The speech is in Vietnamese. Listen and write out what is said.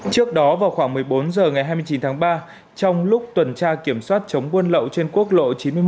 trước đó vào khoảng một mươi bốn h ngày hai mươi chín tháng ba trong lúc tuần tra kiểm soát chống buôn lậu trên quốc lộ chín mươi một